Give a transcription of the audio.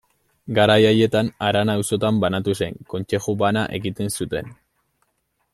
Garai haietan, harana auzotan banatu zen, kontzeju bana egiten zuten.